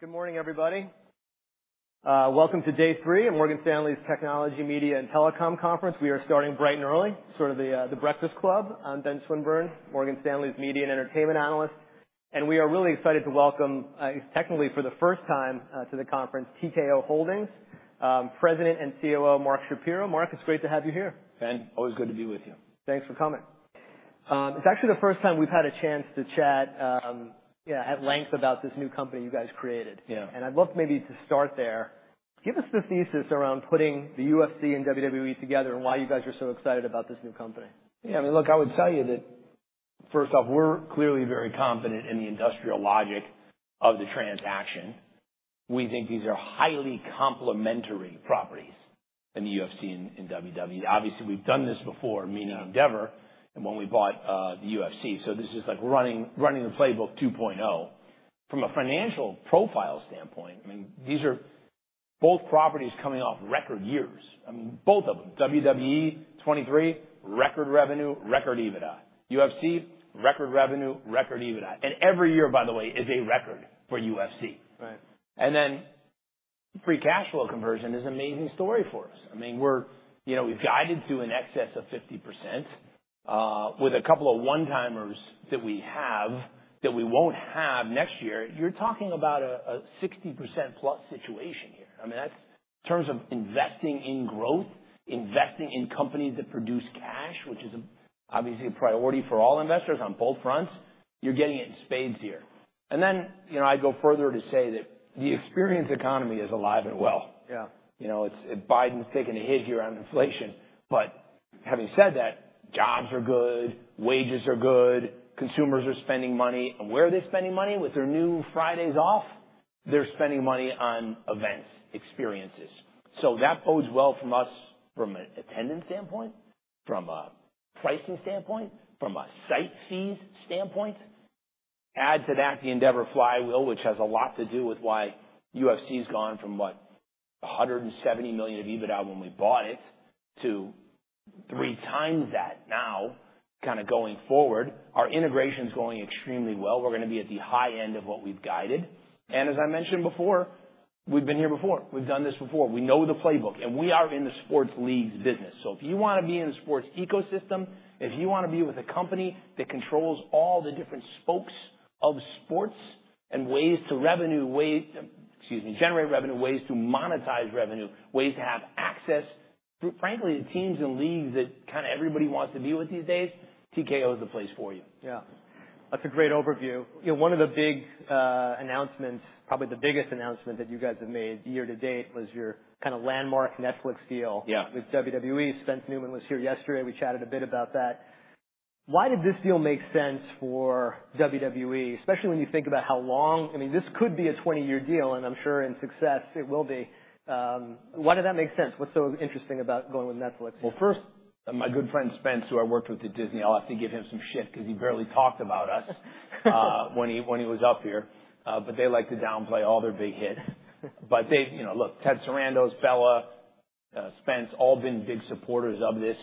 Good morning, everybody. Welcome to day three of Morgan Stanley's Technology, Media, and Telecom Conference. We are starting bright and early, sort of the breakfast club. I'm Ben Swinburne, Morgan Stanley's Media and Entertainment Analyst. And we are really excited to welcome, technically for the first time, to the conference, TKO Holdings, President and COO Mark Shapiro. Mark, it's great to have you here. Ben, always good to be with you. Thanks for coming. It's actually the first time we've had a chance to chat, yeah, at length about this new company you guys created. Yeah. And I'd love maybe to start there. Give us the thesis around putting the UFC and WWE together and why you guys are so excited about this new company. Yeah, I mean, look, I would tell you that, first off, we're clearly very confident in the industrial logic of the transaction. We think these are highly complementary properties in the UFC and WWE. Obviously, we've done this before, meaning Endeavor and when we bought the UFC. So this is like running the playbook 2.0. From a financial profile standpoint, I mean, these are both properties coming off record years. I mean, both of them, WWE 2023, record revenue, record EBITDA. UFC, record revenue, record EBITDA. Every year, by the way, is a record for UFC. Right. Free cash flow conversion is an amazing story for us. I mean, we're, you know, we've guided to an excess of 50%, with a couple of one-timers that we have that we won't have next year. You're talking about a 60%+ situation here. I mean, that's in terms of investing in growth, investing in companies that produce cash, which is obviously a priority for all investors on both fronts. You're getting it in spades here. And then, you know, I go further to say that the experience economy is alive and well. Yeah. You know, it's Biden's taking a hit here on inflation. But having said that, jobs are good, wages are good, consumers are spending money. And where are they spending money? With their new Fridays off, they're spending money on events, experiences. So that bodes well from us, from an attendance standpoint, from a pricing standpoint, from a site fees standpoint. Add to that the Endeavor flywheel, which has a lot to do with why UFC's gone from what, 170 million of EBITDA when we bought it to three times that now, kinda going forward. Our integration's going extremely well. We're gonna be at the high end of what we've guided. And as I mentioned before, we've been here before. We've done this before. We know the playbook. And we are in the sports leagues business. If you wanna be in the sports ecosystem, if you wanna be with a company that controls all the different spokes of sports and ways to revenue, ways, excuse me, generate revenue, ways to monetize revenue, ways to have access, frankly, to teams and leagues that kinda everybody wants to be with these days, TKO's the place for you. Yeah. That's a great overview. You know, one of the big announcements, probably the biggest announcement that you guys have made year to date was your kinda landmark Netflix deal. Yeah. With WWE. Spence Neumann was here yesterday. We chatted a bit about that. Why did this deal make sense for WWE, especially when you think about how long, I mean, this could be a 20-year deal, and I'm sure in success it will be. Why did that make sense? What's so interesting about going with Netflix? First, my good friend Spence, who I worked with at Disney, I'll have to give him some shit 'cause he barely talked about us, when he was up here. But they like to downplay all their big hits. But they, you know, look, Ted Sarandos, Bela, Spence, all been big supporters of this.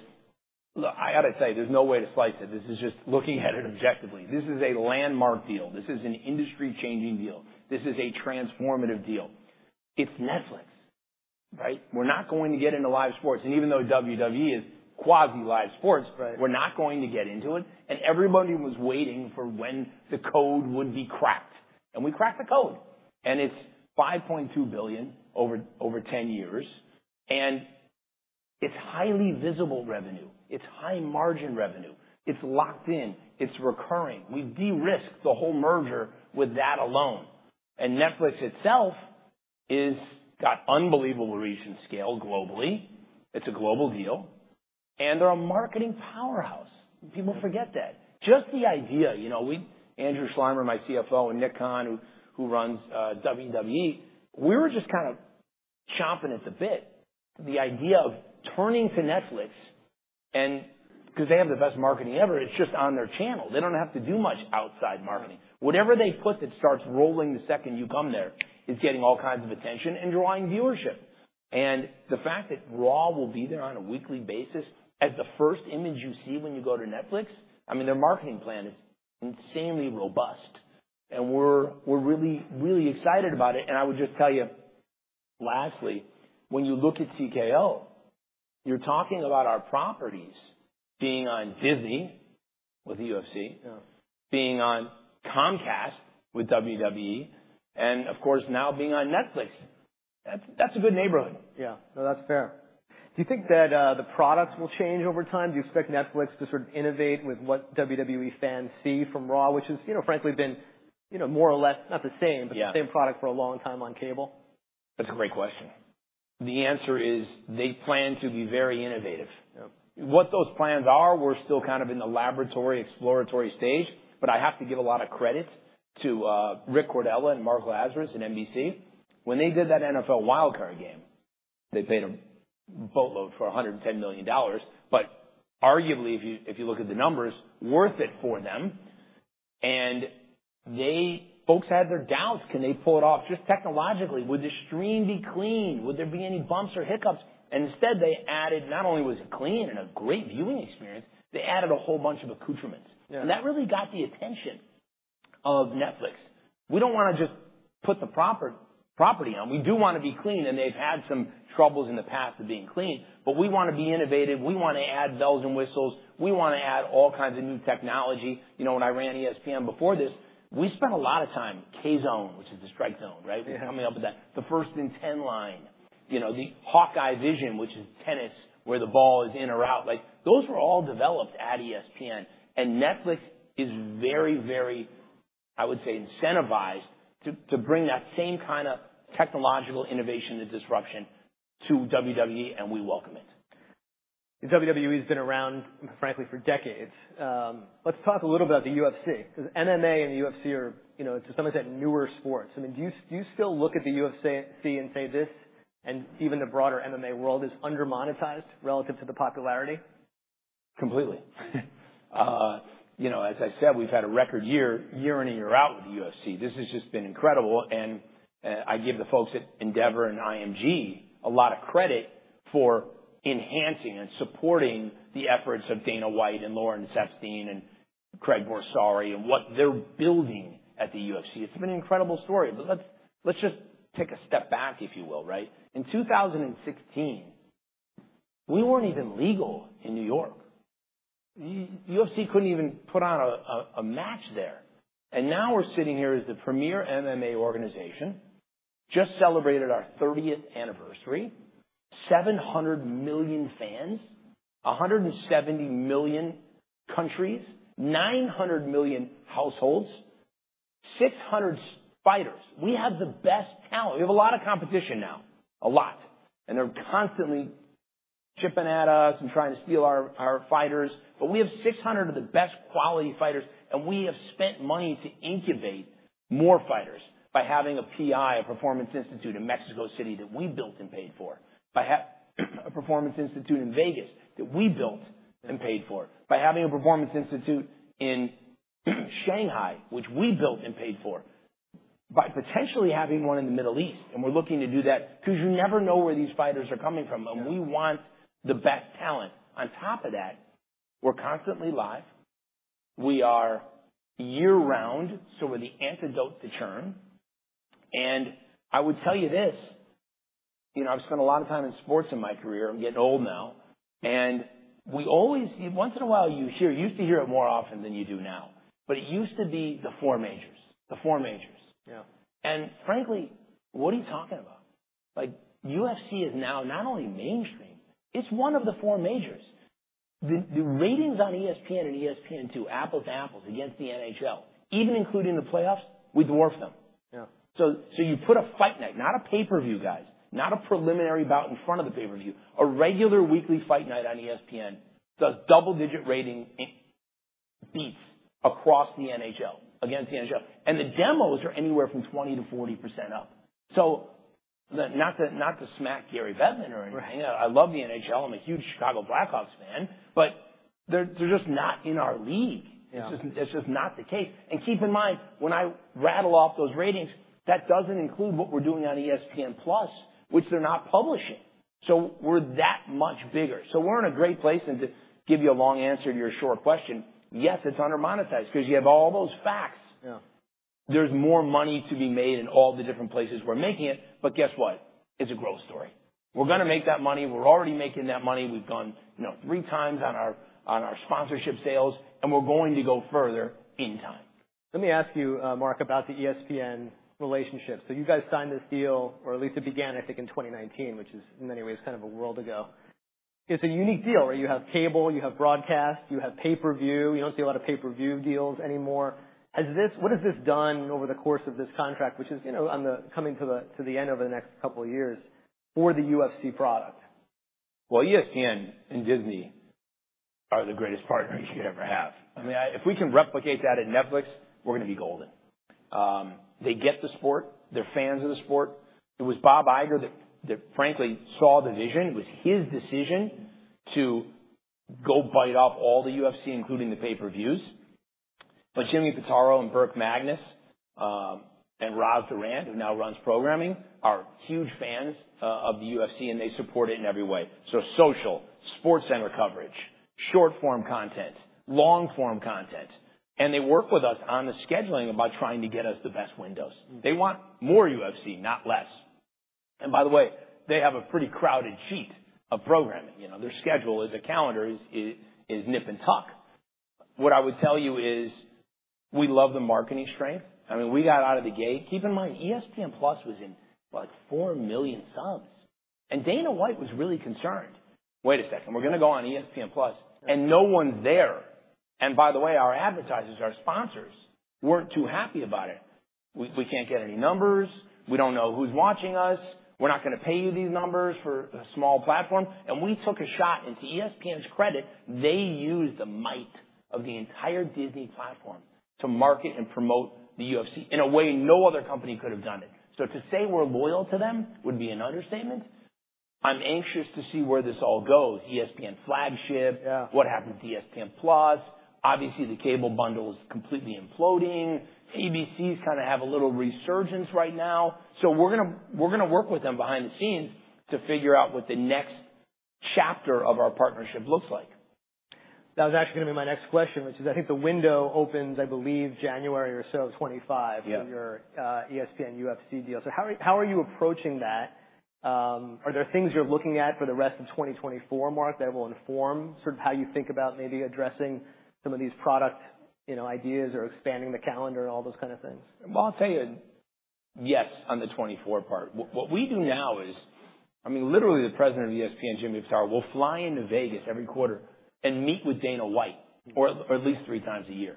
Look, I gotta tell you, there's no way to slice it. This is just looking at it objectively. This is a landmark deal. This is an industry-changing deal. This is a transformative deal. It's Netflix, right? We're not going to get into live sports. And even though WWE is quasi-live sports. Right. We're not going to get into it, and everybody was waiting for when the code would be cracked. We cracked the code, and it's $5.2 billion over 10 years. It's highly visible revenue. It's high-margin revenue. It's locked in. It's recurring. We de-risked the whole merger with that alone. Netflix itself has got unbelievable reach and scale globally. It's a global deal, and they're a marketing powerhouse. People forget that. Just the idea, you know, we, Andrew Schleimer, my CFO, and Nick Khan, who runs WWE, were just kinda chomping at the bit to the idea of turning to Netflix and 'cause they have the best marketing ever. It's just on their channel. They don't have to do much outside marketing. Whatever they put that starts rolling the second you come there is getting all kinds of attention and drawing viewership. And the fact that Raw will be there on a weekly basis as the first image you see when you go to Netflix, I mean, their marketing plan is insanely robust. And we're, we're really, really excited about it. And I would just tell you, lastly, when you look at TKO, you're talking about our properties being on Disney with UFC, being on Comcast with WWE, and of course now being on Netflix. That's, that's a good neighborhood. Yeah. No, that's fair. Do you think that the products will change over time? Do you expect Netflix to sort of innovate with what WWE fans see from Raw, which has, you know, frankly been, you know, more or less, not the same. Yeah. But the same product for a long time on cable? That's a great question. The answer is they plan to be very innovative. Yep. What those plans are, we're still kind of in the laboratory, exploratory stage. But I have to give a lot of credit to Rick Cordella and Mark Lazarus at NBC. When they did that NFL wild card game, they paid a boatload for $110 million. But arguably, if you, if you look at the numbers, worth it for them. And the folks had their doubts. Can they pull it off just technologically? Would the stream be clean? Would there be any bumps or hiccups? And instead, not only was it clean and a great viewing experience, they added a whole bunch of accoutrements. Yeah. That really got the attention of Netflix. We don't wanna just put the property on. We do wanna be clean. They've had some troubles in the past of being clean. We wanna be innovative. We wanna add bells and whistles. We wanna add all kinds of new technology. You know, when I ran ESPN before this, we spent a lot of time K-Zone, which is the strike zone, right? Yeah. Coming up with that. The 1st & 10 line. You know, the Hawk-Eye, which is tennis where the ball is in or out. Like, those were all developed at ESPN. And Netflix is very, very, I would say, incentivized to bring that same kinda technological innovation and disruption to WWE, and we welcome it. WWE's been around, frankly, for decades. Let's talk a little about the UFC 'cause MMA and the UFC are, you know, to some extent, newer sports. I mean, do you, do you still look at the UFC and say this and even the broader MMA world is undermonetized relative to the popularity? Completely. You know, as I said, we've had a record year, year in and year out with the UFC. This has just been incredible. And I give the folks at Endeavor and IMG a lot of credit for enhancing and supporting the efforts of Dana White and Lawrence Epstein and Craig Borsari and what they're building at the UFC. It's been an incredible story. But let's just take a step back, if you will, right? In 2016, we weren't even legal in New York. UFC couldn't even put on a match there. And now we're sitting here as the premier MMA organization, just celebrated our 30th anniversary, 700 million fans, 170 million countries, 900 million households, 600 fighters. We have the best talent. We have a lot of competition now, a lot. And they're constantly chipping at us and trying to steal our fighters. But we have 600 of the best quality fighters. And we have spent money to incubate more fighters by having a PI, a Performance Institute in Mexico City that we built and paid for, by having a Performance Institute in Vegas that we built and paid for, by having a Performance Institute in Shanghai, which we built and paid for, by potentially having one in the Middle East. And we're looking to do that 'cause you never know where these fighters are coming from. And we want the best talent. On top of that, we're constantly live. We are year-round, so we're the antidote to churn. And I would tell you this, you know, I've spent a lot of time in sports in my career. I'm getting old now. And we always, once in a while, you hear, used to hear it more often than you do now. But it used to be the four majors, the four majors. Yeah. Frankly, what are you talking about? Like, UFC is now not only mainstream, it's one of the four majors. The ratings on ESPN and ESPN2, apples to apples against the NHL, even including the playoffs, we dwarf them. Yeah. You put a Fight Night, not a pay-per-view, guys, not a preliminary bout in front of the pay-per-view. A regular weekly Fight Night on ESPN does double-digit rating beats across the NHL against the NHL. The demos are anywhere from 20%-40% up. Not to smack Gary Bettman or anything. Right. I love the NHL. I'm a huge Chicago Blackhawks fan. But they're just not in our league. Yeah. It's just, it's just not the case, and keep in mind, when I rattle off those ratings, that doesn't include what we're doing on ESPN+, which they're not publishing, so we're that much bigger, so we're in a great place, and to give you a long answer to your short question, yes, it's undermonetized 'cause you have all those facts. Yeah. There's more money to be made in all the different places we're making it. But guess what? It's a growth story. We're gonna make that money. We're already making that money. We've gone, you know, three times on our sponsorship sales, and we're going to go further in time. Let me ask you, Mark, about the ESPN relationship, so you guys signed this deal, or at least it began, I think, in 2019, which is in many ways kind of a world ago. It's a unique deal where you have cable, you have broadcast, you have pay-per-view. You don't see a lot of pay-per-view deals anymore. Has this, what has this done over the course of this contract, which is, you know, on the coming to the end over the next couple of years for the UFC product? Well, ESPN and Disney are the greatest partners you could ever have. I mean, if we can replicate that at Netflix, we're gonna be golden. They get the sport. They're fans of the sport. It was Bob Iger that frankly saw the vision. It was his decision to go bite off all the UFC, including the pay-per-views. But Jimmy Pitaro and Burke Magnus, and Roz Durant, who now runs programming, are huge fans of the UFC, and they support it in every way. So social, SportsCenter coverage, short-form content, long-form content. And they work with us on the scheduling about trying to get us the best windows. They want more UFC, not less. And by the way, they have a pretty crowded sheet of programming. You know, their schedule is a calendar is nip and tuck. What I would tell you is we love the marketing strength. I mean, we got out of the gate. Keep in mind, ESPN+ was in like four million subs, and Dana White was really concerned. Wait a second. We're gonna go on ESPN+, and no one there, and by the way, our advertisers, our sponsors, weren't too happy about it. We can't get any numbers. We don't know who's watching us. We're not gonna pay you these numbers for a small platform, and we took a shot, to ESPN's credit. They used the might of the entire Disney platform to market and promote the UFC in a way no other company could have done it. So to say we're loyal to them would be an understatement. I'm anxious to see where this all goes. ESPN Flagship. Yeah. What happened to ESPN+? Obviously, the cable bundle is completely imploding. ABC's kinda have a little resurgence right now. So we're gonna work with them behind the scenes to figure out what the next chapter of our partnership looks like. That was actually gonna be my next question, which is I think the window opens, I believe, January or so, 2025. Yeah. For your ESPN/UFC deal. So how are you, how are you approaching that? Are there things you're looking at for the rest of 2024, Mark, that will inform sort of how you think about maybe addressing some of these product, you know, ideas or expanding the calendar and all those kinda things? Well, I'll tell you yes on the '24 part. What, what we do now is, I mean, literally, the president of ESPN, Jimmy Pitaro, will fly into Vegas every quarter and meet with Dana White or, or at least three times a year.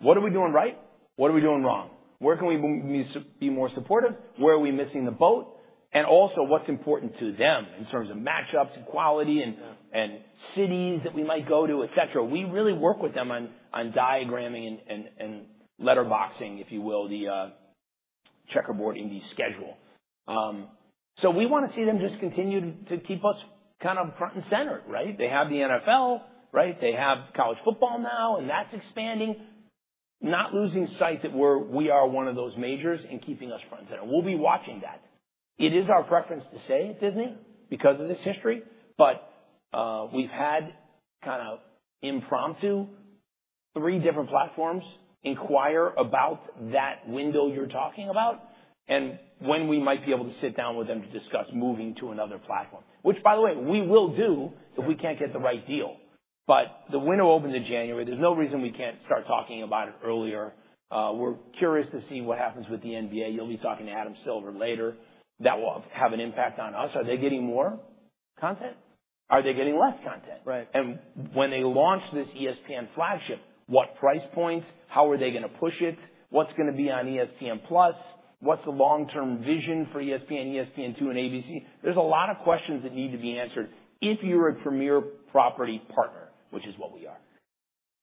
What are we doing right? What are we doing wrong? Where can we be more supportive? Where are we missing the boat? And also, what's important to them in terms of matchups and quality. And cities that we might go to, etc.? We really work with them on diagramming and letterboxing, if you will, the checkerboard in the schedule. So we wanna see them just continue to keep us kind of front and center, right? They have the NFL, right? They have college football now, and that's expanding. Not losing sight that we're, we are one of those majors and keeping us front and center. We'll be watching that. It is our preference to say Disney because of this history. But we've had kinda impromptu three different platforms inquire about that window you're talking about and when we might be able to sit down with them to discuss moving to another platform, which, by the way, we will do if we can't get the right deal. But the window opens in January. There's no reason we can't start talking about it earlier. We're curious to see what happens with the NBA. You'll be talking to Adam Silver later. That will have an impact on us. Are they getting more content? Are they getting less content? Right. And when they launch this ESPN Flagship, what price point? How are they gonna push it? What's gonna be on ESPN+? What's the long-term vision for ESPN, ESPN2, and ABC? There's a lot of questions that need to be answered if you're a premier property partner, which is what we are.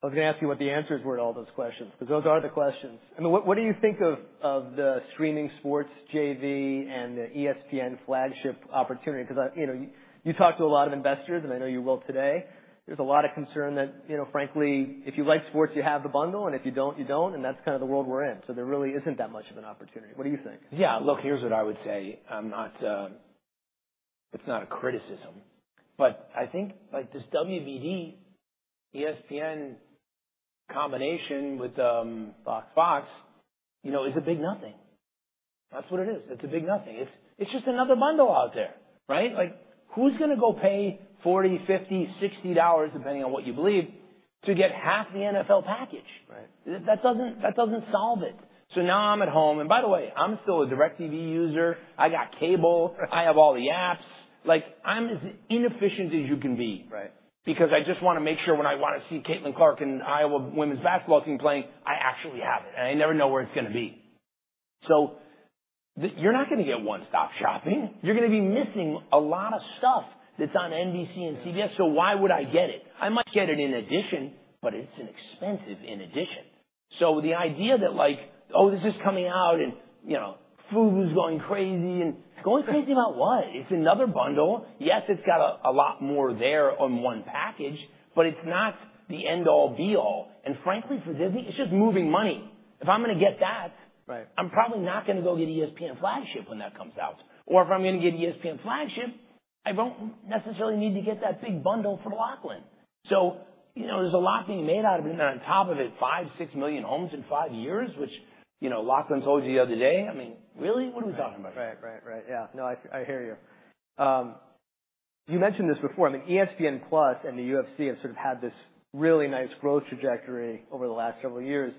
I was gonna ask you what the answers were to all those questions 'cause those are the questions. I mean, what do you think of the streaming sports JV and the ESPN Flagship opportunity? 'Cause I, you know, you talked to a lot of investors, and I know you will today. There's a lot of concern that, you know, frankly, if you like sports, you have the bundle, and if you don't, you don't, and that's kinda the world we're in. So there really isn't that much of an opportunity. What do you think? Yeah. Look, here's what I would say. I'm not; it's not a criticism. But I think, like, this WBD, ESPN combination with Fox, you know, is a big nothing. That's what it is. It's just another bundle out there, right? Like, who's gonna go pay $40, $50, $60, depending on what you believe, to get half the NFL package? Right. That doesn't solve it. So now I'm at home. And by the way, I'm still a DirecTV user. I got cable. I have all the apps. Like, I'm as inefficient as you can be. Right. Because I just wanna make sure when I wanna see Caitlin Clark and Iowa women's basketball team playing, I actually have it, and I never know where it's gonna be, so you're not gonna get one-stop shopping. You're gonna be missing a lot of stuff that's on NBC and CBS, so why would I get it? I might get it in addition, but it's an expensive in addition. So the idea that, like, oh, this is coming out and, you know, folks were going crazy about what? It's another bundle. Yes, it's got a lot more there on one package, but it's not the end-all, be-all, and frankly, for Disney, it's just moving money. If I'm gonna get that. Right. I'm probably not gonna go get ESPN Flagship when that comes out, or if I'm gonna get ESPN Flagship, I won't necessarily need to get that big bundle for Lachlan. So, you know, there's a lot being made out of it, and then, on top of it, five, six million homes in five years, which, you know, Lachlan told you the other day. I mean, really? What are we talking about? Right, right, right. Yeah. No, I, I hear you. You mentioned this before. I mean, ESPN+ and the UFC have sort of had this really nice growth trajectory over the last several years.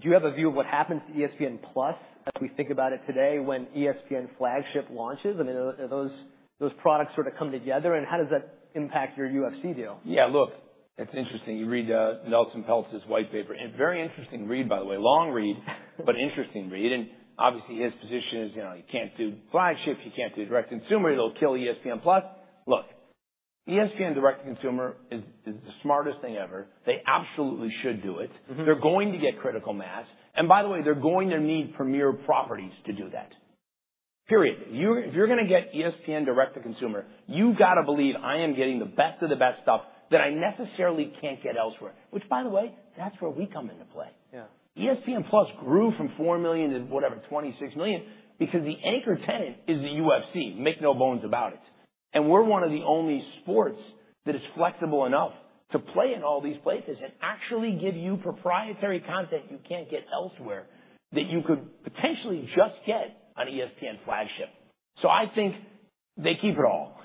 Do you have a view of what happens to ESPN+ as we think about it today when ESPN Flagship launches? I mean, are those, those products sort of come together? And how does that impact your UFC deal? Yeah. Look, it's interesting. You read Nelson Peltz's white paper, and very interesting read, by the way. Long read, but interesting read, and obviously, his position is, you know, you can't do flagship. You can't do direct consumer. It'll kill ESPN+. Look, ESPN direct to consumer is the smartest thing ever. They absolutely should do it. They're going to get critical mass. And by the way, they're going to need premier properties to do that. Period. You're, if you're gonna get ESPN direct to consumer, you gotta believe I am getting the best of the best stuff that I necessarily can't get elsewhere, which, by the way, that's where we come into play. Yeah. ESPN+ grew from four million to whatever, 26 million because the anchor tenant is the UFC. Make no bones about it. And we're one of the only sports that is flexible enough to play in all these places and actually give you proprietary content you can't get elsewhere that you could potentially just get on ESPN Flagship. So I think they keep it all.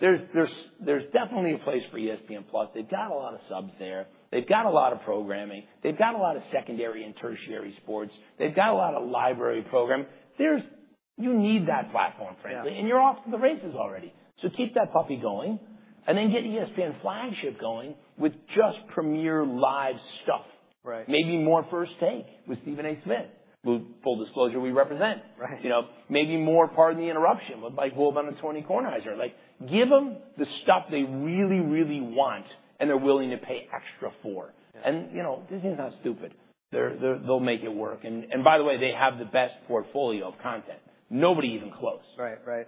There's definitely a place for ESPN+. They've got a lot of subs there. They've got a lot of programming. They've got a lot of secondary and tertiary sports. They've got a lot of library programming. You need that platform, frankly. Right. And you're off to the races already. So keep that puppy going. And then get ESPN Flagship going with just premier live stuff. Right. Maybe more First Take with Stephen A. Smith, who, full disclosure, we represent. Right. You know, maybe more Pardon the Interruption with Mike Wilbon and Tony Kornheiser. Like, give them the stuff they really, really want and they're willing to pay extra for. Yeah. And, you know, Disney's not stupid. They're, they'll make it work. And, by the way, they have the best portfolio of content. Nobody even close. Right, right.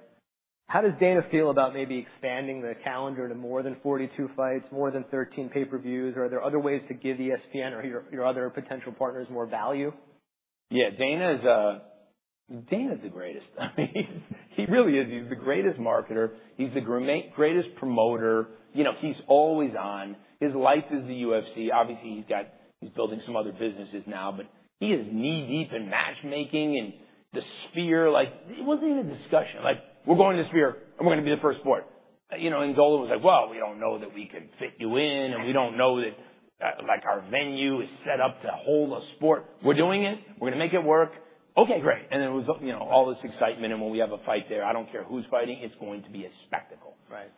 How does Dana feel about maybe expanding the calendar to more than 42 fights, more than 13 pay-per-views? Or are there other ways to give ESPN or your other potential partners more value? Yeah. Dana's the greatest. I mean, he really is. He's the greatest marketer. He's the greatest promoter. You know, he's always on. His life is the UFC. Obviously, he's got, he's building some other businesses now. But he is knee-deep in matchmaking and the Sphere. Like, it wasn't even a discussion. Like, we're going to Sphere, and we're gonna be the first sport. You know, and Dolan was like, "Well, we don't know that we can fit you in. And we don't know that, like, our venue is set up to hold a sport. We're doing it. We're gonna make it work." Okay, great. And then it was, you know, all this excitement. And when we have a fight there, I don't care who's fighting. It's going to be a spectacle. Right.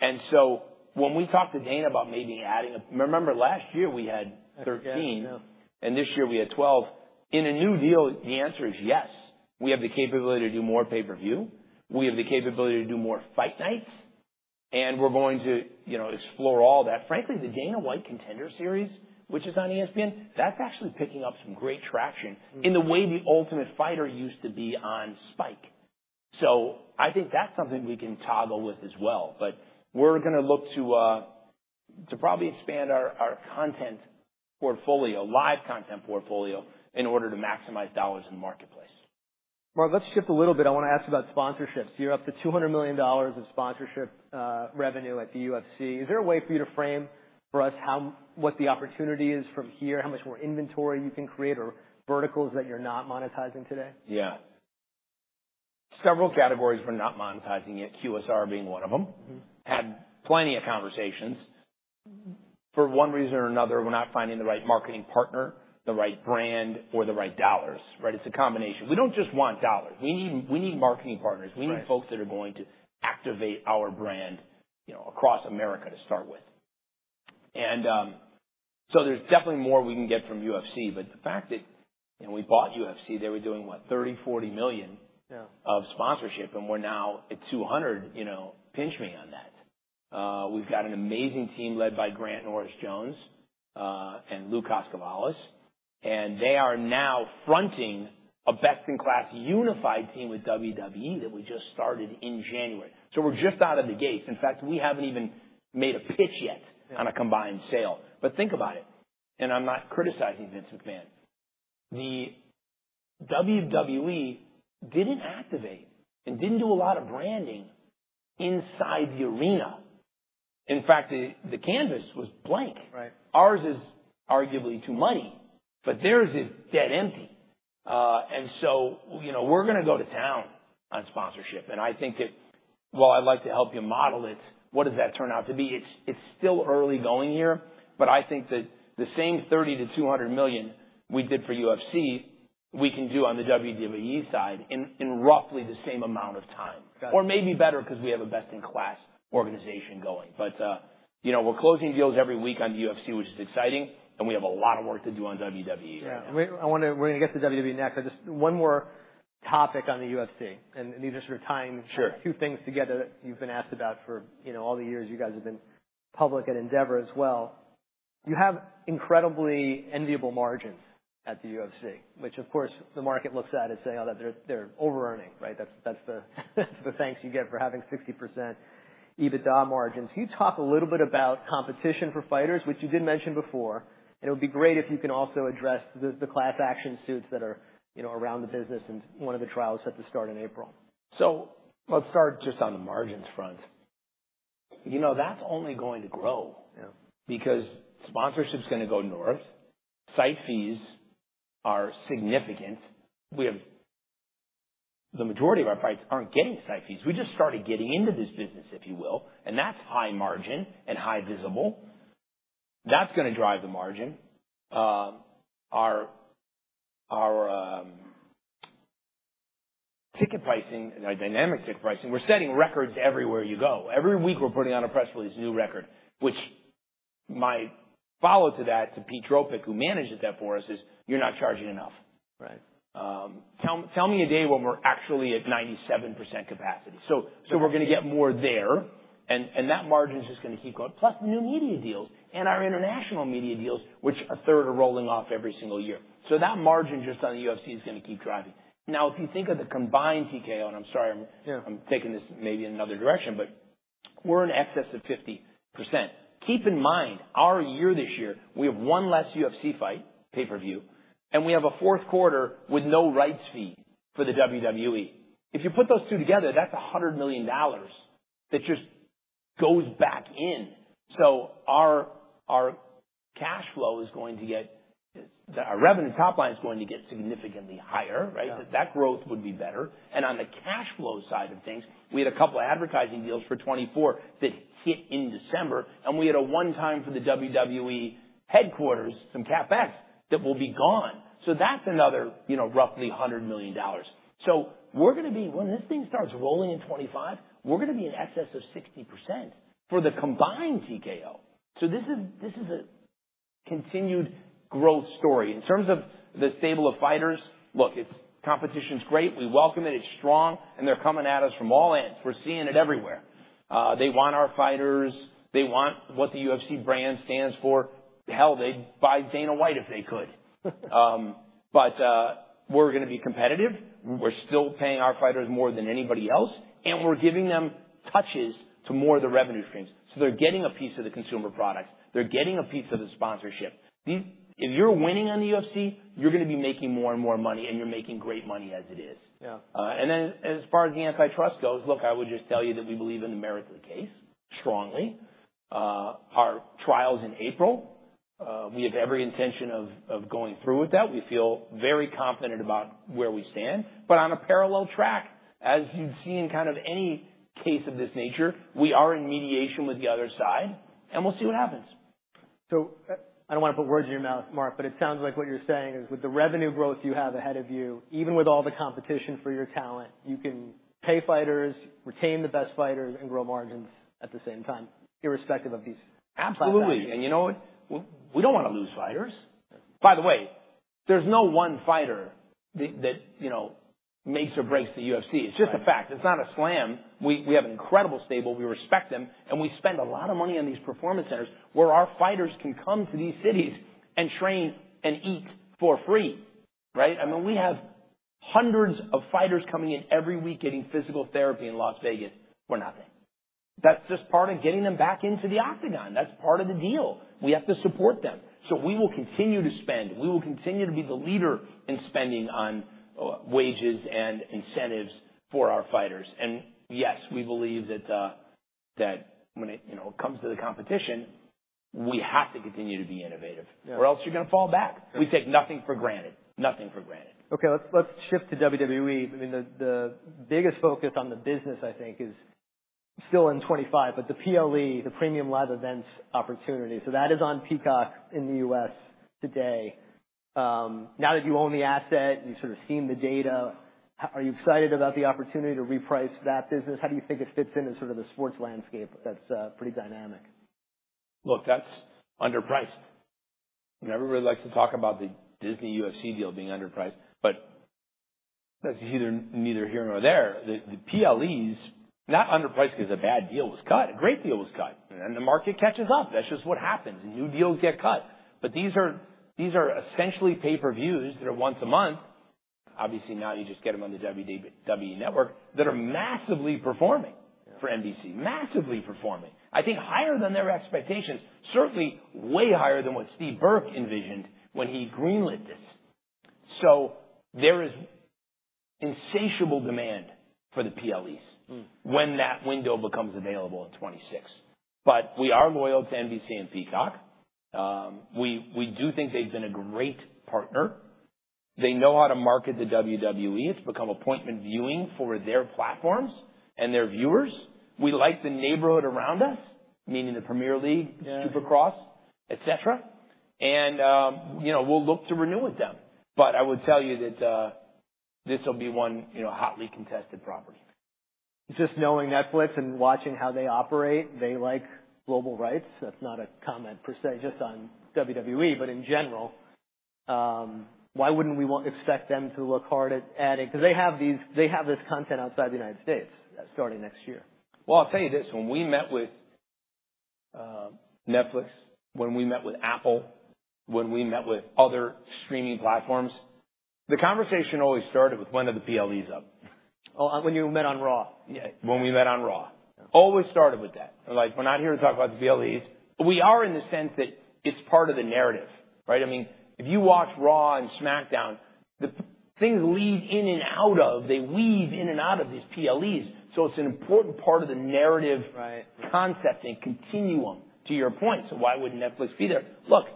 And so when we talked to Dana about maybe adding a. Remember last year we had 13. Yeah, yeah. And this year we had 12. In a new deal, the answer is yes. We have the capability to do more pay-per-view. We have the capability to do more Fight Nights. And we're going to, you know, explore all that. Frankly, the Dana White's Contender Series, which is on ESPN, that's actually picking up some great traction. In the way The Ultimate Fighter used to be on Spike. So I think that's something we can toggle with as well. But we're gonna look to probably expand our content portfolio, live content portfolio, in order to maximize dollars in the marketplace. Mark, let's shift a little bit. I wanna ask about sponsorships. You're up to $200 million of sponsorship, revenue at the UFC. Is there a way for you to frame for us how what the opportunity is from here, how much more inventory you can create or verticals that you're not monetizing today? Yeah. Several categories we're not monetizing yet, QSR being one of them. Had plenty of conversations. For one reason or another, we're not finding the right marketing partner, the right brand, or the right dollars, right? It's a combination. We don't just want dollars. We need, we need marketing partners. Right. We need folks that are going to activate our brand, you know, across America to start with. And, so there's definitely more we can get from UFC. But the fact that, you know, we bought UFC, they were doing what, $30 million-$40 million. Yeah. Of sponsorship. And we're now at 200, you know, pinch me on that. We've got an amazing team led by Grant Norris-Jones, and Lou Koskovolis. And they are now fronting a best-in-class unified team with WWE that we just started in January. So we're just out of the gates. In fact, we haven't even made a pitch yet. On a combined sale. But think about it. And I'm not criticizing Vince McMahon. The WWE didn't activate and didn't do a lot of branding inside the arena. In fact, the canvas was blank. Right. Ours is arguably too muddy, but theirs is dead empty, and so, you know, we're gonna go to town on sponsorship. I think that, well, I'd like to help you model it. What does that turn out to be? It's still early going here. I think that the same $30 million to $200 million we did for UFC, we can do on the WWE side in roughly the same amount of time. Got it. Or maybe better 'cause we have a best-in-class organization going. But, you know, we're closing deals every week on the UFC, which is exciting. And we have a lot of work to do on WWE right now. Yeah. We're gonna get to WWE next, but just one more topic on the UFC, and these are sort of tying. Sure. A few things together that you've been asked about for, you know, all the years you guys have been public at Endeavor as well. You have incredibly enviable margins at the UFC, which, of course, the market looks at as saying, "Oh, that they're over-earning," right? That's the thanks you get for having 60% EBITDA margins. Can you talk a little bit about competition for fighters, which you did mention before? It would be great if you can also address the class action suits that are, you know, around the business and one of the trials set to start in April. So let's start just on the margins front. You know, that's only going to grow. Yeah. Because sponsorship's gonna go north. Site fees are significant. We have the majority of our fights aren't getting site fees. We just started getting into this business, if you will. And that's high margin and high visible. That's gonna drive the margin. Our ticket pricing, our dynamic ticket pricing, we're setting records everywhere you go. Every week we're putting on a press release, new record, which my follow-up to that, to Pete Dropick, who manages that for us, is, "You're not charging enough. Right. Tell me a day when we're actually at 97% capacity. So we're gonna get more there. And that margin's just gonna keep going. Plus the new media deals and our international media deals, which a third are rolling off every single year. So that margin just on the UFC is gonna keep driving. Now, if you think of the combined TKO, and I'm sorry, I'm. Yeah. I'm taking this maybe in another direction, but we're in excess of 50%. Keep in mind our year this year, we have one less UFC fight pay-per-view. And we have a fourth quarter with no rights fee for the WWE. If you put those two together, that's $100 million that just goes back in. So our, our cash flow is going to get, our revenue top line's going to get significantly higher, right? Yeah. That growth would be better. And on the cash flow side of things, we had a couple of advertising deals for 2024 that hit in December. And we had a one-time for the WWE headquarters, some CapEx that will be gone. So that's another, you know, roughly $100 million. So we're gonna be, when this thing starts rolling in 2025, we're gonna be in excess of 60% for the combined TKO. So this is, this is a continued growth story. In terms of the stable of fighters, look, it's competition's great. We welcome it. It's strong. And they're coming at us from all ends. We're seeing it everywhere. They want our fighters. They want what the UFC brand stands for. Hell, they'd buy Dana White if they could, but we're gonna be competitive. We're still paying our fighters more than anybody else. And we're giving them touches to more of the revenue streams. So they're getting a piece of the consumer product. They're getting a piece of the sponsorship. These, if you're winning on the UFC, you're gonna be making more and more money. And you're making great money as it is. Yeah. And then, as far as the antitrust goes, look, I would just tell you that we believe in the merit of the case strongly. Our trial's in April, we have every intention of going through with that. We feel very confident about where we stand. But on a parallel track, as you'd see in kind of any case of this nature, we are in mediation with the other side. And we'll see what happens. So, I don't wanna put words in your mouth, Mark, but it sounds like what you're saying is with the revenue growth you have ahead of you, even with all the competition for your talent, you can pay fighters, retain the best fighters, and grow margins at the same time, irrespective of these competitions. Absolutely. And you know what? We don't wanna lose fighters. By the way, there's no one fighter that you know, makes or breaks the UFC. It's just a fact. It's not a slam. We have an incredible stable. We respect them, and we spend a lot of money on these performance centers where our fighters can come to these cities and train and eat for free, right? I mean, we have hundreds of fighters coming in every week getting physical therapy in Las Vegas for nothing. That's just part of getting them back into the octagon. That's part of the deal. We have to support them, so we will continue to spend. We will continue to be the leader in spending on wages and incentives for our fighters, and yes, we believe that when it, you know, comes to the competition, we have to continue to be innovative. Yeah. Or else you're gonna fall back. We take nothing for granted. Nothing for granted. Okay. Let's shift to WWE. I mean, the biggest focus on the business, I think, is still in 2025, but the PLE, the premium live events opportunity. So that is on Peacock in the U.S. today. Now that you own the asset, you've sort of seen the data, are you excited about the opportunity to reprice that business? How do you think it fits into sort of the sports landscape that's pretty dynamic? Look, that's underpriced. And everybody likes to talk about the Disney UFC deal being underpriced. But that's either neither here nor there. The PLE's not underpriced 'cause a bad deal was cut. A great deal was cut. And then the market catches up. That's just what happens. New deals get cut. But these are essentially pay-per-views that are once a month. Obviously, now you just get them on the WWE Network that are massively performing. For NBC. Massively performing. I think higher than their expectations. Certainly way higher than what Steve Burke envisioned when he greenlit this. So there is insatiable demand for the PLEs. When that window becomes available in 2026. But we are loyal to NBC and Peacock. We do think they've been a great partner. They know how to market the WWE. It's become appointment viewing for their platforms and their viewers. We like the neighborhood around us, meaning the Premier League. Yeah. Supercross, etc. And, you know, we'll look to renew with them. But I would tell you that, this'll be one, you know, hotly contested property. Just knowing Netflix and watching how they operate, they like global rights. That's not a comment per se, just on WWE, but in general. Why wouldn't we want to expect them to look hard at, at it? 'Cause they have these, they have this content outside the United States starting next year. I'll tell you this. When we met with Netflix, when we met with Apple, when we met with other streaming platforms, the conversation always started with, "When are the PLEs up? Oh, when you met on Raw. Yeah. When we met on Raw. Always started with that. We're like, "We're not here to talk about the PLEs." We are in the sense that it's part of the narrative, right? I mean, if you watch Raw and SmackDown, the things lead in and out of, they weave in and out of these PLEs. So it's an important part of the narrative. Right. Concept and continuum to your point. So why would Netflix be there? Look,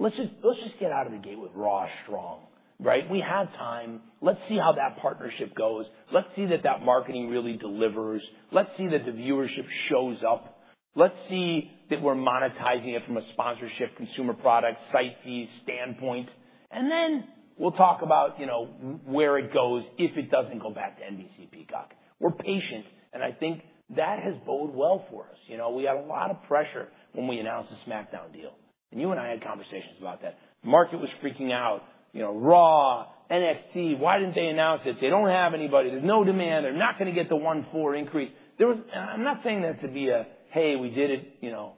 let's just, let's just get out of the gate with Raw strong, right? We have time. Let's see how that partnership goes. Let's see that that marketing really delivers. Let's see that the viewership shows up. Let's see that we're monetizing it from a sponsorship, consumer product, site fee standpoint. And then we'll talk about, you know, where it goes if it doesn't go back to NBC, Peacock. We're patient. And I think that has bode well for us. You know, we had a lot of pressure when we announced the SmackDown deal. And you and I had conversations about that. The market was freaking out. You know, Raw, NXT, why didn't they announce it? They don't have anybody. There's no demand. They're not gonna get the 1.4 increase. There was, and I'm not saying that to be a, "Hey, we did it, you know,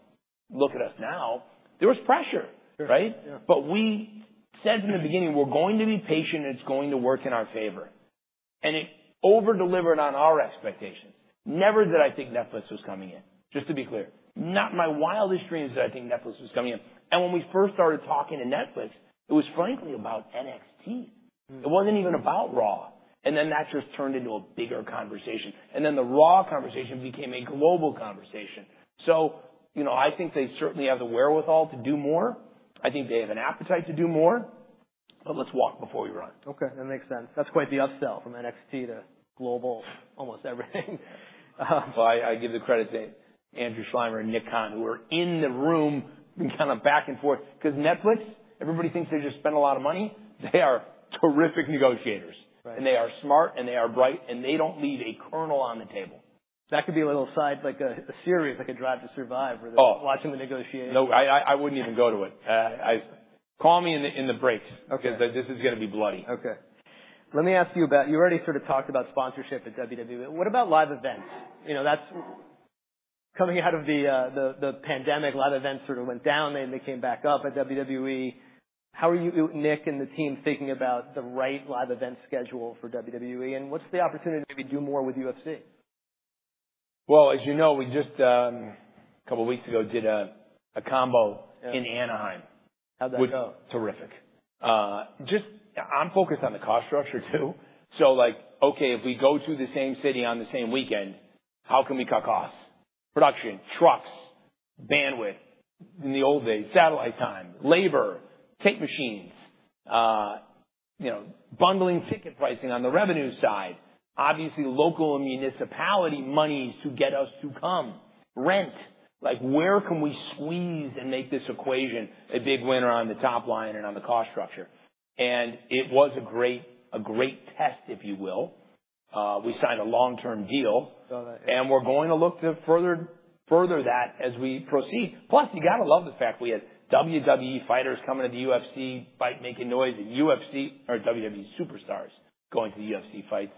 look at us now." There was pressure, right? Yeah. Yeah. But we said from the beginning we're going to be patient and it's going to work in our favor. And it over-delivered on our expectations. Never did I think Netflix was coming in, just to be clear. Not in my wildest dreams did I think Netflix was coming in. And when we first started talking to Netflix, it was frankly about NXT. It wasn't even about Raw. And then that just turned into a bigger conversation. And then the Raw conversation became a global conversation. So, you know, I think they certainly have the wherewithal to do more. I think they have an appetite to do more. But let's walk before we run. Okay. That makes sense. That's quite the upsell from NXT to global almost everything. I give the credit to Andrew Schleimer and Nick Khan, who are in the room kinda back and forth. 'Cause Netflix, everybody thinks they just spent a lot of money. They are terrific negotiators. Right. And they are smart. And they are bright. And they don't leave a kernel on the table. That could be a little side, like a series like Drive to Survive where they're watching the negotiators. Oh. No, I wouldn't even go to it. I call me in the breaks. Okay. Cause this is gonna be bloody. Okay. Let me ask you about, you already sort of talked about sponsorship at WWE. What about live events? You know, that's coming out of the pandemic. Live events sort of went down. They came back up at WWE. How are you, Nick and the team thinking about the right live event schedule for WWE? And what's the opportunity to maybe do more with UFC? As you know, we just a couple weeks ago did a combo in Anaheim. How'd that go? Which was terrific. Just, I'm focused on the cost structure too. So, like, okay, if we go to the same city on the same weekend, how can we cut costs? Production, trucks, bandwidth in the old days, satellite time, labor, tape machines, you know, bundling ticket pricing on the revenue side, obviously local and municipality monies to get us to come, rent. Like, where can we squeeze and make this equation a big winner on the top line and on the cost structure? And it was a great, a great test, if you will. We signed a long-term deal. Oh, that. We're going to look to further that as we proceed. Plus, you gotta love the fact we had WWE fighters coming to the UFC fight, making noise, and UFC or WWE superstars going to the UFC fights,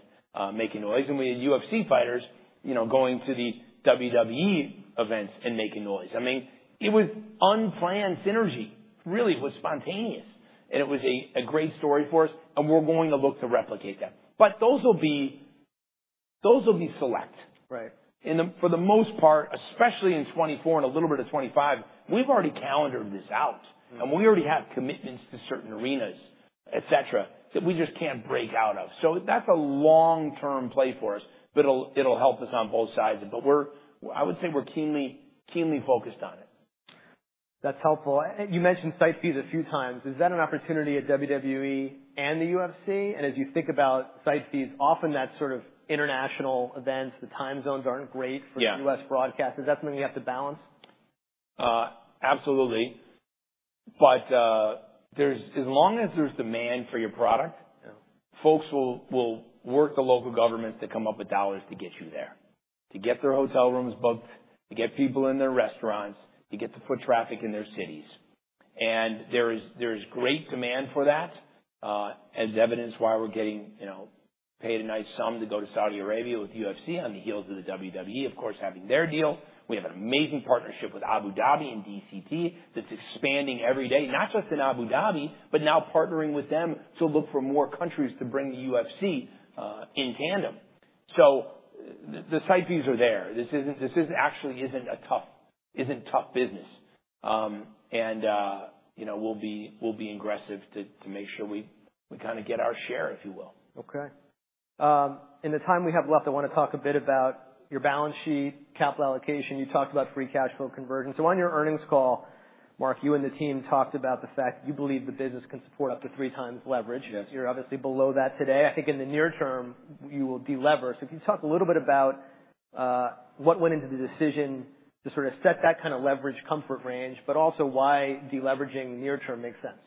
making noise. We had UFC fighters, you know, going to the WWE events and making noise. I mean, it was unplanned synergy. Really, it was spontaneous. It was a great story for us. We're going to look to replicate that. But those'll be select. Right. For the most part, especially in 2024 and a little bit of 2025, we've already calendared this out. We already have commitments to certain arenas, etc., that we just can't break out of. That's a long-term play for us. It'll, it'll help us on both sides. We're, I would say we're keenly, keenly focused on it. That's helpful. And you mentioned site fees a few times. Is that an opportunity at WWE and the UFC? And as you think about site fees, often that's sort of international events. The time zones aren't great for. Yeah. U.S. broadcast. Is that something you have to balance? Absolutely. But there's, as long as there's demand for your product, folks will work the local governments to come up with dollars to get you there, to get their hotel rooms booked, to get people in their restaurants, to get the foot traffic in their cities. And there is great demand for that, as evidence why we're getting, you know, paid a nice sum to go to Saudi Arabia with UFC on the heels of the WWE, of course, having their deal. We have an amazing partnership with Abu Dhabi and DCT that's expanding every day, not just in Abu Dhabi, but now partnering with them to look for more countries to bring the UFC, in tandem. So the site fees are there. This actually isn't a tough business. You know, we'll be aggressive to make sure we kinda get our share, if you will. Okay. In the time we have left, I wanna talk a bit about your balance sheet, capital allocation. You talked about free cash flow conversion. So on your earnings call, Mark, you and the team talked about the fact you believe the business can support up to three times leverage. Yes. You're obviously below that today. I think in the near term, you will delever. So can you talk a little bit about what went into the decision to sort of set that kinda leverage comfort range, but also why deleveraging near term makes sense?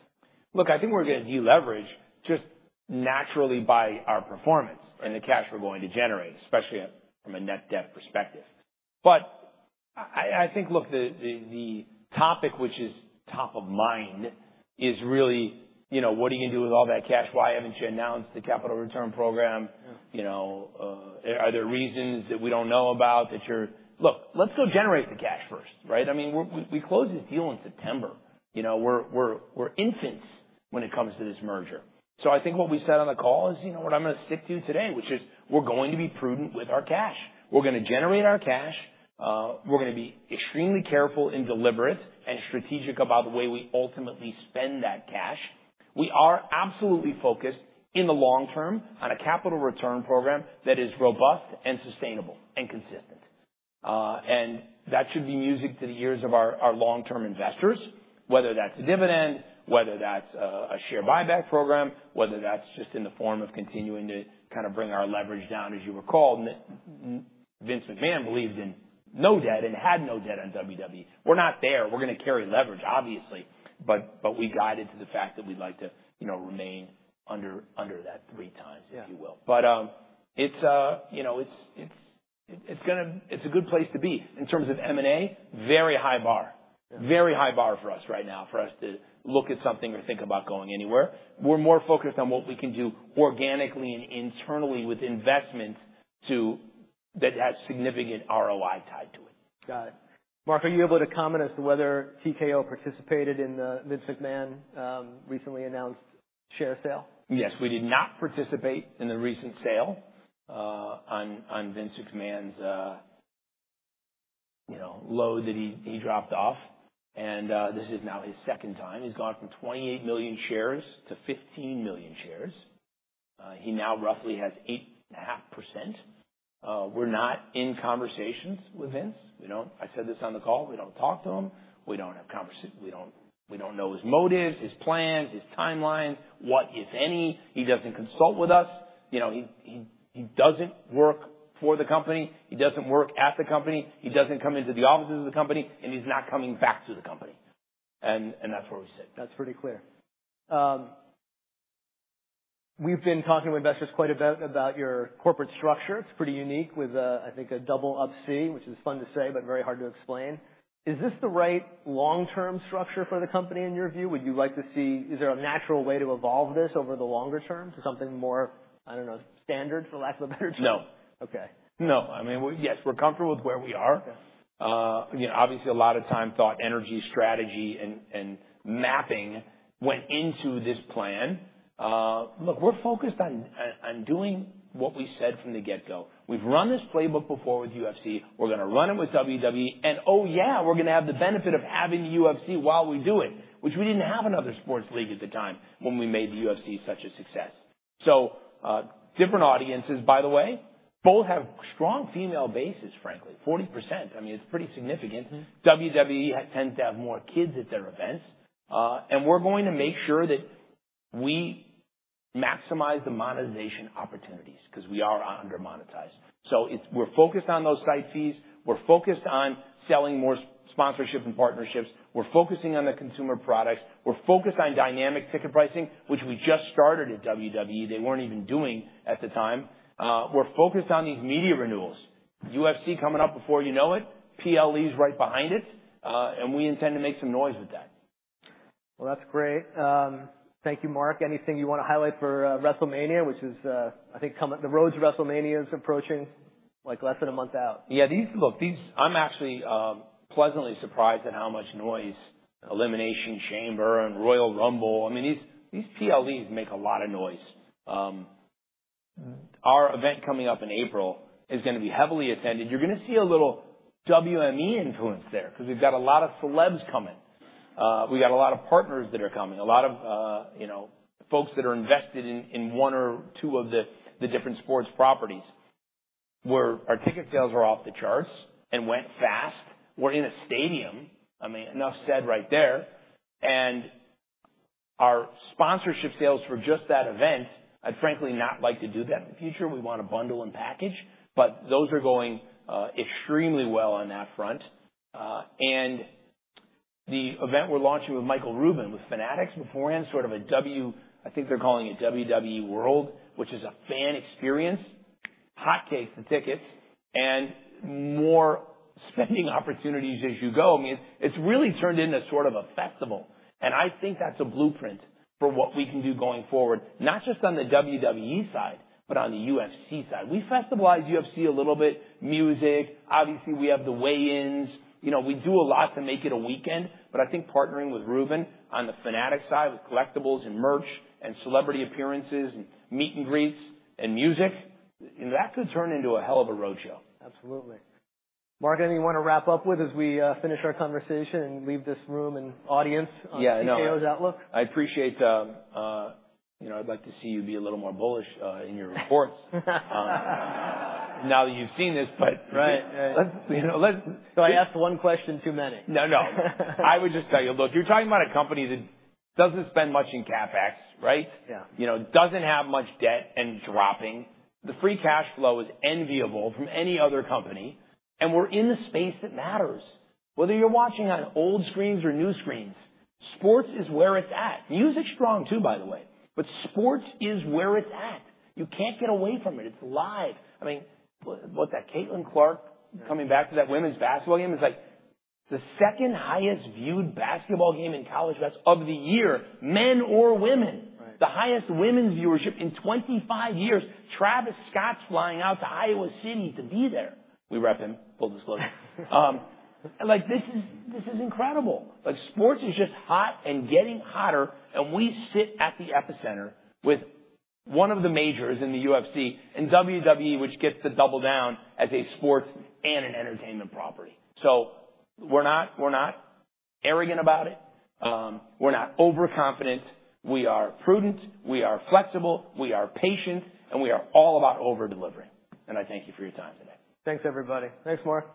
Look, I think we're gonna deleverage just naturally by our performance. The cash we're going to generate, especially from a net debt perspective. I think, look, the topic, which is top of mind, is really, you know, what are you gonna do with all that cash? Why haven't you announced the capital return program? You know, are there reasons that we don't know about that you're look, let's go generate the cash first, right? I mean, we closed this deal in September. You know, we're infants when it comes to this merger. So I think what we said on the call is, you know, what I'm gonna stick to today, which is we're going to be prudent with our cash. We're gonna generate our cash. We're gonna be extremely careful and deliberate and strategic about the way we ultimately spend that cash. We are absolutely focused in the long term on a capital return program that is robust and sustainable and consistent, and that should be music to the ears of our long-term investors, whether that's a dividend, whether that's a share buyback program, whether that's just in the form of continuing to kinda bring our leverage down. As you recall, Vince McMahon believed in no debt and had no debt on WWE. We're not there. We're gonna carry leverage, obviously. But we guided to the fact that we'd like to, you know, remain under that three times, if you will. You know, it's gonna be a good place to be in terms of M&A. Very high bar. Very high bar for us right now for us to look at something or think about going anywhere. We're more focused on what we can do organically and internally with investments that have significant ROI tied to it. Got it. Mark, are you able to comment as to whether TKO participated in the Vince McMahon's recently announced share sale? Yes. We did not participate in the recent sale on Vince McMahon's, you know, load that he dropped off. This is now his second time. He's gone from 28 million shares to 15 million shares. He now roughly has 8.5%. We're not in conversations with Vince. We don't, I said this on the call, we don't talk to him. We don't have conversations. We don't know his motives, his plans, his timelines, what if any. He doesn't consult with us. You know, he doesn't work for the company. He doesn't work at the company. He doesn't come into the offices of the company. And he's not coming back to the company. That's where we sit. That's pretty clear. We've been talking to investors quite a bit about your corporate structure. It's pretty unique with, I think, a Double Up-C, which is fun to say, but very hard to explain. Is this the right long-term structure for the company in your view? Would you like to see, is there a natural way to evolve this over the longer term to something more, I don't know, standard, for lack of a better term? No. Okay. No. I mean, we're comfortable with where we are. You know, obviously a lot of time, thought, energy, strategy, and, and mapping went into this plan. Look, we're focused on, on doing what we said from the get-go. We've run this playbook before with UFC. We're gonna run it with WWE. And, oh yeah, we're gonna have the benefit of having the UFC while we do it, which we didn't have in other sports leagues at the time when we made the UFC such a success. So, different audiences, by the way, both have strong female bases, frankly, 40%. I mean, it's pretty significant. WWE tends to have more kids at their events, and we're going to make sure that we maximize the monetization opportunities 'cause we are under-monetized. So it's, we're focused on those site fees. We're focused on selling more sponsorship and partnerships. We're focusing on the consumer products. We're focused on dynamic ticket pricing, which we just started at WWE. They weren't even doing at the time. We're focused on these media renewals. UFC coming up before you know it. PLE's right behind it, and we intend to make some noise with that. Well, that's great. Thank you, Mark. Anything you wanna highlight for WrestleMania, which is, I think, the road to WrestleMania's approaching like less than a month out? Yeah. These, look, these, I'm actually pleasantly surprised at how much noise Elimination Chamber and Royal Rumble, I mean, these, these PLEs make a lot of noise. Our event coming up in April is gonna be heavily attended. You're gonna see a little WME influence there 'cause we've got a lot of celebs coming. We got a lot of partners that are coming, a lot of, you know, folks that are invested in one or two of the different sports properties. Our ticket sales are off the charts and went fast. We're in a stadium. I mean, enough said right there. And our sponsorship sales for just that event, I'd frankly not like to do that in the future. We wanna bundle and package. But those are going extremely well on that front. And the event we're launching with Michael Rubin with Fanatics beforehand, sort of a W, I think they're calling it WWE World, which is a fan experience, hot cakes and tickets, and more spending opportunities as you go. I mean, it's really turned into sort of a festival. And I think that's a blueprint for what we can do going forward, not just on the WWE side, but on the UFC side. We festivalize UFC a little bit, music. Obviously, we have the weigh-ins. You know, we do a lot to make it a weekend. But I think partnering with Rubin on the Fanatics side with collectibles and merch and celebrity appearances and meet and greets and music, you know, that could turn into a hell of a roadshow. Absolutely. Mark, anything you wanna wrap up with as we finish our conversation and leave this room and audience on TKO's outlook? Yeah. No. I appreciate, you know, I'd like to see you be a little more bullish in your reports, now that you've seen this, but. Right. Right. Let's, you know, let's. You know, I asked one question too many. No, no. I would just tell you, look, you're talking about a company that doesn't spend much in CapEx, right? Yeah. You know, doesn't have much debt and dropping. The free cash flow is enviable from any other company. And we're in the space that matters. Whether you're watching on old screens or new screens, sports is where it's at. Music's strong too, by the way. But sports is where it's at. You can't get away from it. It's live. I mean, what that Caitlin Clark coming back to that women's basketball game is like the second highest viewed basketball game in college basketball of the year, men or women. The highest women's viewership in 25 years. Travis Scott's flying out to Iowa City to be there. We rep him, full disclosure. Like, this is, this is incredible. Like, sports is just hot and getting hotter. And we sit at the epicenter with one of the majors in the UFC and WWE, which gets to double down as a sports and an entertainment property. So we're not, we're not arrogant about it. We're not overconfident. We are prudent. We are flexible. We are patient. And we are all about overdelivering. And I thank you for your time today. Thanks, everybody. Thanks, Mark.